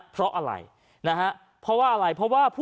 เพราะอะไร